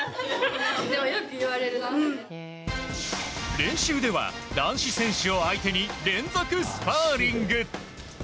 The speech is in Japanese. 練習では男子選手を相手に連続スパーリング。